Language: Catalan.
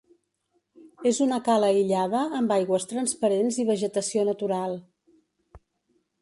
És una cala aïllada amb aigües transparents i vegetació natural.